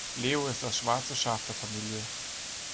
Leo ist das schwarze Schaf der Familie.